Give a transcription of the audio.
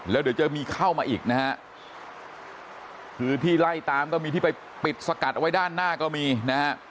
แล้วเดี๋ยวจะมีเข้ามาอีกนะฮะคือที่ไล่ตามก็มีที่ไปปิดสกัดเอาไว้ด้านหน้าก็มีนะฮะ